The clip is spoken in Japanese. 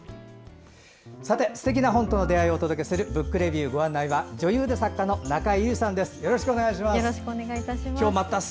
すてきな本との出会いをお届けする「ブックレビュー」ご案内は女優で作家の中江有里さんです。